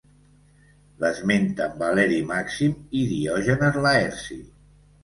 L'esmenten Valeri Màxim i Diògenes Laerci.